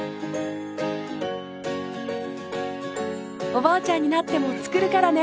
おばあちゃんになっても作るからね！